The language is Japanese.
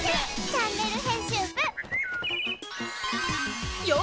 チャンネル編集部」へ！